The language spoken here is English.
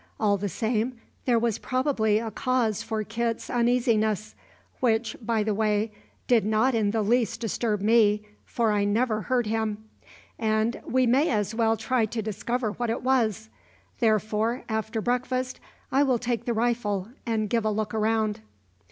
"All the same, there was probably a cause for Kit's uneasiness which, by the way, did not in the least disturb me, for I never heard him and we may as well try to discover what it was; therefore after breakfast I will take the rifle and give a look round."